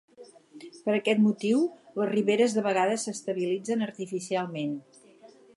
Per aquest motiu les riberes de vegades s'estabilitzen artificialment.